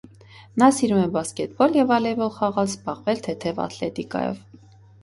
Նա սիրում է բասկետբոլ և վոլեյբոլ խաղալ, զբաղվել թեթև աթլետիկայով։